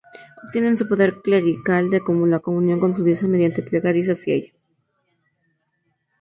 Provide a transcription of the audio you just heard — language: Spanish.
Obtienen su poder clerical de la comunión con su Diosa mediante plegarias hacia ella.